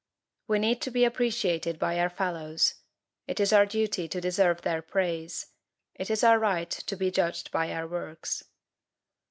We need to be appreciated by our fellows. It is our duty to deserve their praise. It is our right to be judged by our works.